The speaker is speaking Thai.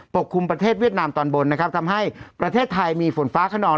กลุ่มประเทศเวียดนามตอนบนนะครับทำให้ประเทศไทยมีฝนฟ้าขนอง